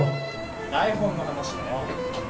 台本の話だよ。